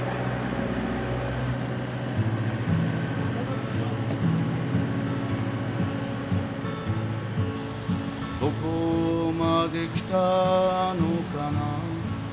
「どこまで来たのかな」